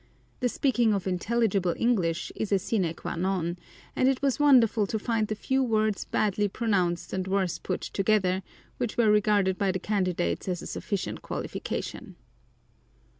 The speaking of intelligible English is a sine quâ non, and it was wonderful to find the few words badly pronounced and worse put together, which were regarded by the candidates as a sufficient qualification.